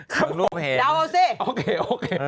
ครับผมดาวเว้าซิโอเคโอเค